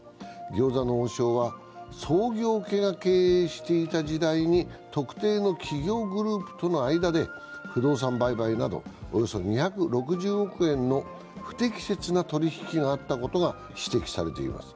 餃子の王将は、創業家が経営していた時代に、特定の企業グループとの間で不動産売買などおよそ２６０億円の不適切な取り引きがあったことが指摘されています。